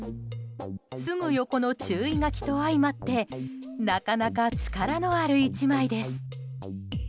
すぐ横の注意書きと相まってなかなか、力のある１枚です。